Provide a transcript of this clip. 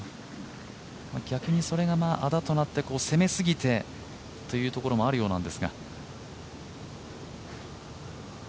逆にそれがあだとなって攻めすぎてというというところもあるようなんですが。